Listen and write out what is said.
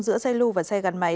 giữa xe lưu và xe gắn máy